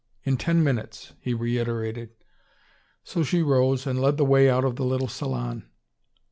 In ten minutes," he reiterated. So she rose, and led the way out of the little salon.